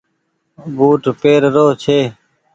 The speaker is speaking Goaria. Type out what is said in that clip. بوٽ پير رو ڇي۔